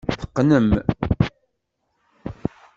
Teqqnem.